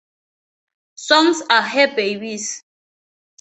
Songs are her babies.